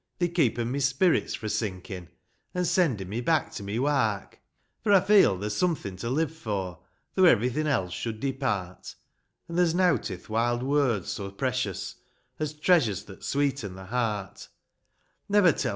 They keepen my spirits fro' sinkin', An' senden me back to my wark : For I feel that there's somethin' to live for, Though everythin' else should depart ; An' there's nought in the wide world so precious As treasures that sweeten the heart !